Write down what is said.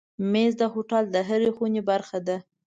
مېز د هوټل د هرې خونې برخه ده.